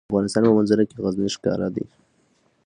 د افغانستان په منظره کې غزني ښکاره ده.